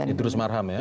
itu terus marham ya